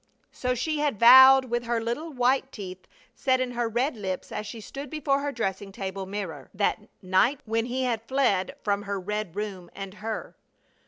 So she had vowed with her little white teeth set in her red lips as she stood before her dressing table mirror that night when he had fled from her red room and her.